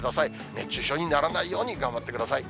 熱中症にならないように頑張ってください。